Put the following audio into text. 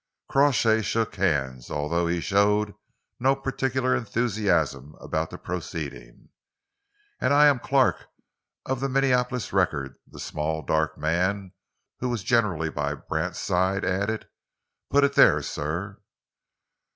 Crawshay shook hands, although he showed no particular enthusiasm about the proceeding. "And I am Clark, of the Minneapolis Record" the small, dark man, who was generally by Brand's side, added. "Put it there, sir."